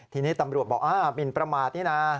ทีนี้ตำรวจบอกหมินประมาทนี่นะ